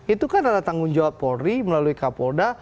itu kan ada tanggung jawab polri melalui kapolda